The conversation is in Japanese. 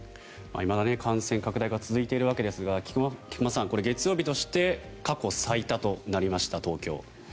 いまだ感染拡大が続いているわけですが菊間さん、月曜日として東京は過去最多となりました。